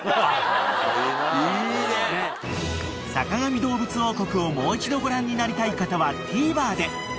［『坂上どうぶつ王国』をもう一度ご覧になりたい方はＴＶｅｒで］